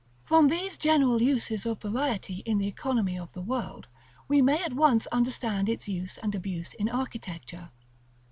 § XXXVIII. From these general uses of variety in the economy of the world, we may at once understand its use and abuse in architecture.